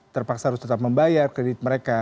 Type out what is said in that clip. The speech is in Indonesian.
terpaksa harus tetap membayar kredit mereka